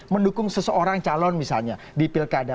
mendukung seseorang calon misalnya di pilkada